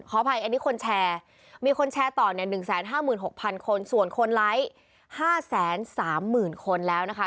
อภัยอันนี้คนแชร์มีคนแชร์ต่อเนี่ย๑๕๖๐๐คนส่วนคนไลค์๕๓๐๐๐คนแล้วนะคะ